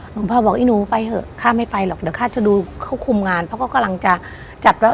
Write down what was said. หลวงพ่อบอกอีหนูไปเถอะข้าไม่ไปหรอกเดี๋ยวข้าจะดูเขาคุมงานเพราะเขากำลังจะจัดว่า